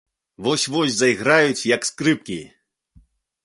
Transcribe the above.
Вось-вось зайграюць, як скрыпкі.